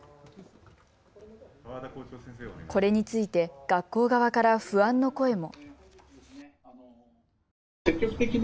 これについて学校側から不安の声も。